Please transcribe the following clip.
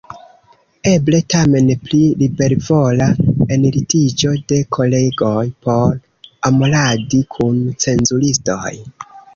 Eble tamen pri libervola enlitiĝo de kolegoj por amoradi kun cenzuristoj.